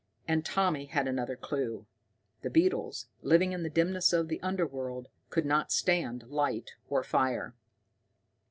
And Tommy had another clue. The beetles, living in the dimness of the underworld, could not stand light or fire!